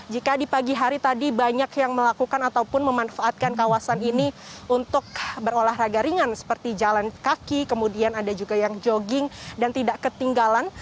jika di pagi hari tadi banyak yang melakukan ataupun memanfaatkan kawasan ini untuk berolahraga ringan seperti jalan kaki kemudian ada juga yang jogging dan tidak ketinggalan